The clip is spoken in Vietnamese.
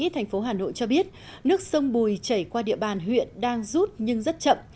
thành phố hà nội cho biết nước sông bùi chảy qua địa bàn huyện đang rút nhưng rất chậm